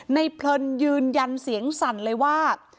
เพลินยืนยันเสียงสั่นเลยว่า